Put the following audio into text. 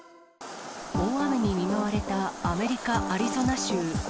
大雨に見舞われたアメリカ・アリゾナ州。